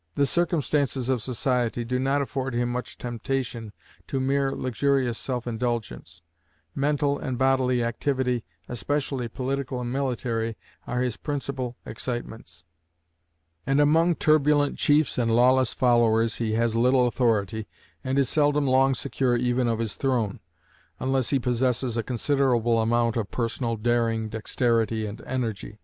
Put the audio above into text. The circumstances of society do not afford him much temptation to mere luxurious self indulgence; mental and bodily activity, especially political and military, are his principal excitements; and among turbulent chiefs and lawless followers he has little authority, and is seldom long secure even of his throne, unless he possesses a considerable amount of personal daring, dexterity, and energy.